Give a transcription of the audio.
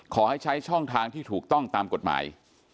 ขอให้ใช้ช่องทางที่ถูกต้องตามกฎหมาย